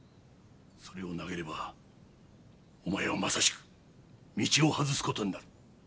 それを投げればお前はまさしく道を外す事になる。